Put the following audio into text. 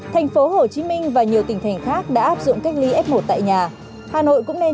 thành phố hồ chí minh và nhiều tỉnh thành khác đã áp dụng cách ly f một tại nhà hà nội cũng nên